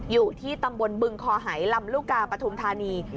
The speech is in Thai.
อยู่ที่ตำบลบึงคอหายลำลูกกาปฐุมธานี